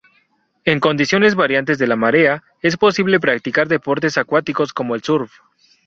En condiciones variantes de la marea, es posible practicar deportes acuáticos como el surf.